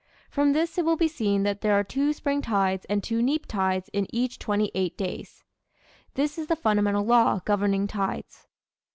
From this it will be seen that there are two spring tides and two neap tides in each twenty eight days. This is the fundamental law governing tides.